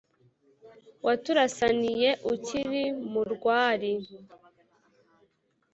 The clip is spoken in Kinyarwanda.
waturasaniye ukiri mu rwari,